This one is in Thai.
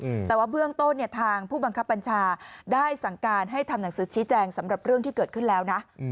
อืมแต่ว่าเบื้องต้นเนี่ยทางผู้บังคับบัญชาได้สั่งการให้ทำหนังสือชี้แจงสำหรับเรื่องที่เกิดขึ้นแล้วนะอืม